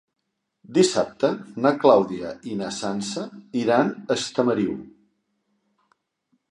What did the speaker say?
Dissabte na Clàudia i na Sança iran a Estamariu.